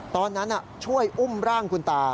ตอนนั้นช่วยอุ้มร่างคุณตา